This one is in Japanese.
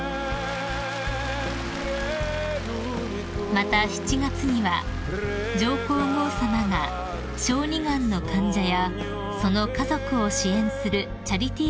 ［また７月には上皇后さまが小児がんの患者やその家族を支援するチャリティーコンサートを鑑賞されました］